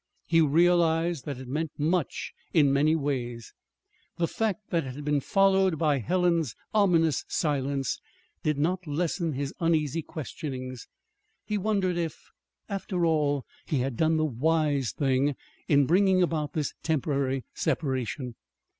He realized that it meant much in many ways. The fact that it had been followed by Helen's ominous silence did not lessen his uneasy questionings. He wondered if, after all, he had done the wise thing in bringing about this temporary separation.